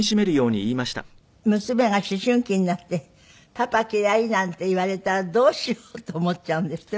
娘が思春期になって「パパ嫌い」なんて言われたらどうしようと思っちゃうんですって？